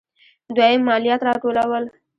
دویم: مالیات راټولول.